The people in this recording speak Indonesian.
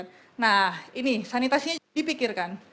nah ini sanitasi nya dipikirkan